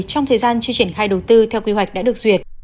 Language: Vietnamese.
trong thời gian chưa triển khai đầu tư theo quy hoạch đã được duyệt